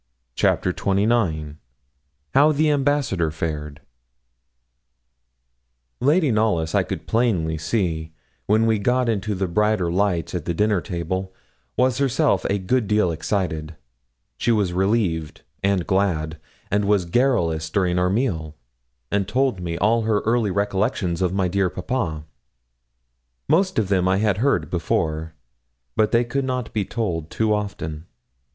CHAPTER XXIX HOW THE AMBASSADOR FARED Lady Knollys, I could plainly see, when we got into the brighter lights at the dinner table, was herself a good deal excited; she was relieved and glad, and was garrulous during our meal, and told me all her early recollections of dear papa. Most of them I had heard before; but they could not be told too often.